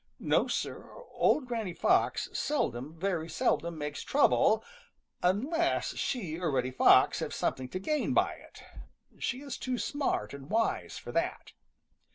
No, Sir, old Granny Fox seldom, very seldom makes trouble, unless she or Reddy Fox have something to gain by it. She is too smart and wise for that.